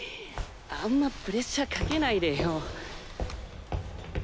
あんまプレッシャーかけないでよ。